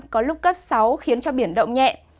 có lúc cấp sáu khiến cho biển động nhẹ